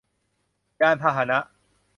ยานพาหนะ